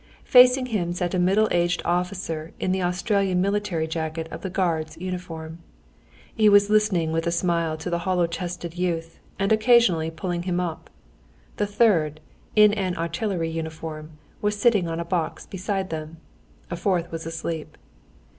Facing him sat a middle aged officer in the Austrian military jacket of the Guards uniform. He was listening with a smile to the hollow chested youth, and occasionally pulling him up. The third, in an artillery uniform, was sitting on a box beside them. A fourth was asleep.